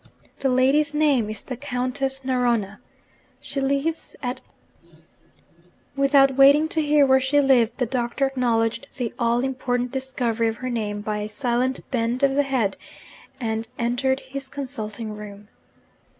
'The lady's name is the Countess Narona. She lives at ' Without waiting to hear where she lived, the Doctor acknowledged the all important discovery of her name by a silent bend of the head, and entered his consulting room.